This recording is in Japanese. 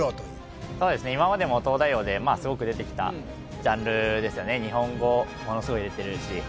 今までも東大王でまあすごく出てきたジャンルですよね日本語ものすごい出てるし